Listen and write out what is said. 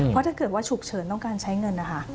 เพราะถ้าเกิดว่าฉุกเฉินต้องการใช้เงินนะคะ